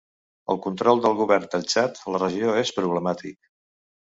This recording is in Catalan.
El control del govern del Txad a la regió és problemàtic.